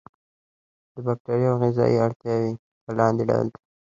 د باکتریاوو غذایي اړتیاوې په لاندې ډول دي.